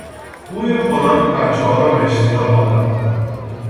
بوی خوراک بچهها را به اشتیاق آورد.